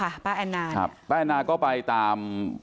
ป้าอันนาบอกว่าตอนนี้ยังขวัญเสียค่ะไม่พร้อมจะให้ข้อมูลอะไรกับนักข่าวนะคะ